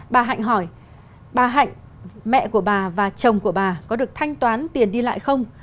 bà hạnh hỏi bà hạnh mẹ của bà và chồng của bà có được thanh toán tiền đi lại không